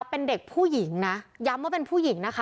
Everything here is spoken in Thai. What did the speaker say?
เป็นเด็กผู้หญิงนะย้ำว่าเป็นผู้หญิงนะคะ